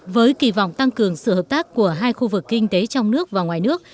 với kỳ vọng tăng cường sự hợp tác của hai khu vực kinh tế trong nước và ngoài nước